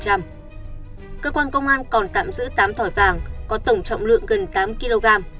cơ quan công an còn tạm giữ tám thỏi vàng có tổng trọng lượng gần tám kg